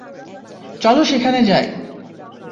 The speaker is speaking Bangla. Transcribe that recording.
চলো সেখানে যাই!